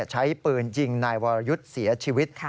ใช้ปืนยิงนายวรยุทธ์เสียชีวิต